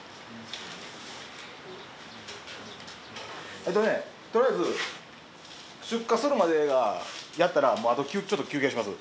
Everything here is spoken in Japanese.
えーっとねとりあえず出荷するまでやったらもうあとちょっと休憩します。